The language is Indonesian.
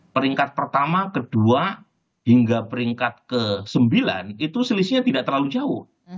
peringkat pertama kedua hingga peringkat ke sembilan itu selisihnya tidak terlalu jauh